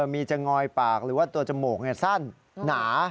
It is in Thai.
มีจะงอยปากหรือว่าตัวจมูกสั้นหนา